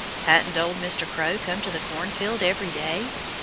Hadn't old Mr. Crow come to the cornfield every day?